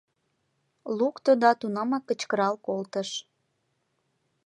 Лукто да тунамак кычкырал колтыш: